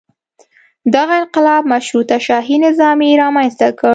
دغه انقلاب مشروطه شاهي نظام یې رامنځته کړ.